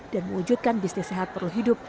dan mewujudkan bisnis sehat perlu hidup